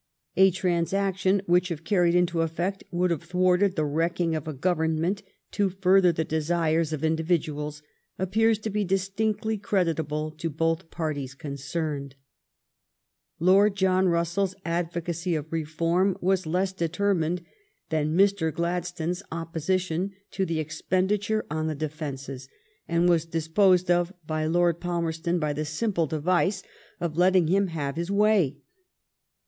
A transaction which, if carried into efiisct, would have thwarted the wrecking of a G<k wemment le further the desires of individuals, appears to be distinctly creditable to both parties concerned* Lord John Bussell's advocacy of Beform was less determined than Mr. Gladstone's opposition to the ex penditure on the defences, and was disposed of by Lord Palmereton by the mmple device of letting him have hie way.